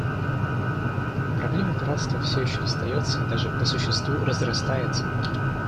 Проблема пиратства все еще остается и даже по существу разрастается.